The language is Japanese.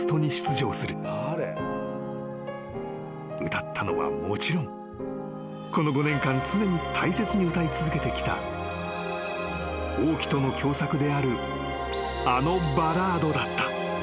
［歌ったのはもちろんこの５年間常に大切に歌い続けてきた大木との共作であるあのバラードだった］